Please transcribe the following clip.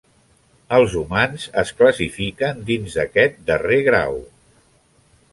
Els humans es classifiquen dins d'aquest darrer grau.